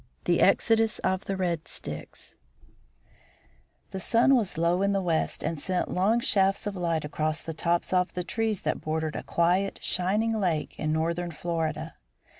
THE EXODUS OF THE RED STICKS The sun was low in the west and sent long shafts of light across the tops of the trees that bordered a quiet, shining lake in northern Florida.